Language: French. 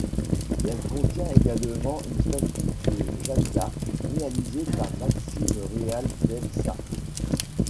Elle contient également une statue de Jeanne d'Arc, réalisée par Maxime Real del Sarte.